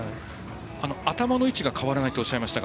頭の位置が変わらないとおっしゃいましたが。